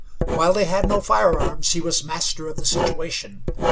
While they had no firearms he was master of the situation.